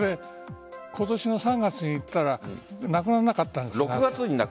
今年の３月に言ったらなくならなかったんです。